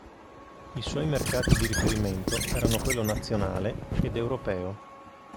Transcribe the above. I suoi mercati di riferimento erano quello nazionale ed europeo.